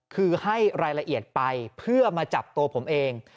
คือให้รายละเอียดไปเพื่อมาจับตัวผมเอง